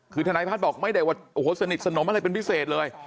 คือทนายพัฒน์บอกไม่ได้ว่าโอ้โหสนิทสนมอะไรเป็นพิเศษเลย